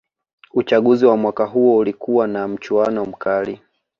uchaguzi wa mwaka huo ulikuwa na mchuano mkali